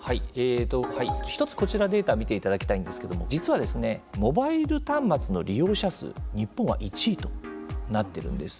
１つ、こちらデータ見ていただきたいんですけれども実は、モバイル端末の利用者数日本は１位となってるんです。